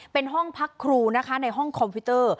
เป็นห้องพักครูนะคะในห้องคอมพิวเตอร์